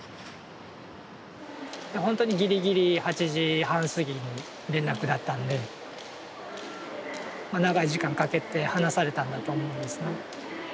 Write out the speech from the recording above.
ほんとにギリギリ８時半過ぎに連絡だったんでまあ長い時間かけて話されたんだと思うんですね。